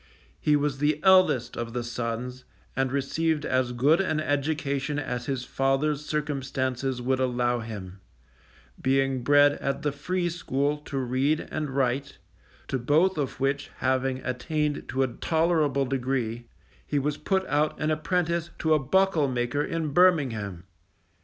He was the eldest of the sons, and received as good an education as his father's circumstances would allow him, being bred at the free school to read and write, to both of which having attained to a tolerable degree, he was put out an apprentice to a buckle maker in Birmingham.